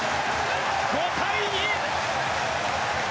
５対２！